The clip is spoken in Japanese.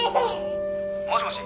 「もしもし？」